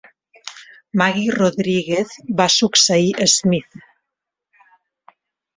Maggie Rodriguez va succeir Smith.